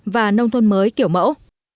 và nông thôn mới kiểu mẫu